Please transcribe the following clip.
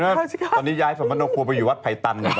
กำลังไปมากตอนนี้ย้ายฟังวันโดขัวไปอยู่วัดพัยตันยังไง